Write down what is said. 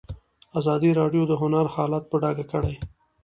ازادي راډیو د هنر حالت په ډاګه کړی.